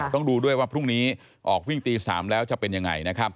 ต้องดูด้วยว่าพรุ่งนี้ออกวิ่งตี๓แล้วจะเป็นยังไงนะครับ